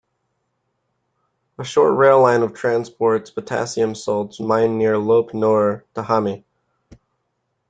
A short rail line of transports potassium salts mined near Lop Nur to Hami.